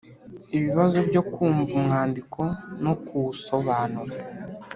Ibibazo byo kumva umwandiko no kuwusobanura